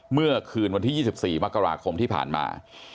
เมื่อคืนวันที่๒๔มกราคมที่ผ่านมา